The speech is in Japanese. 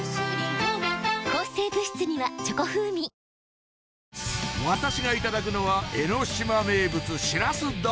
これ私がいただくのは江の島名物しらす丼